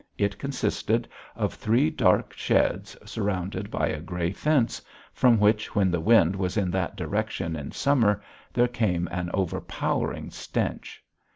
It consisted of three dark sheds surrounded by a grey fence, from which, when the wind was in that direction in summer, there came an overpowering stench.